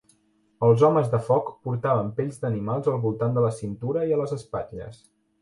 Els homes de foc portaven pells d'animals al voltant de la cintura i a les espatlles.